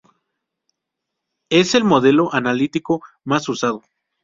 Es el modelo analítico más usado.